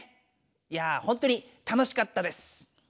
いやほんとに楽しかったです。